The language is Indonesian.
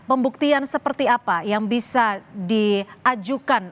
pembuktian seperti apa yang bisa diajukan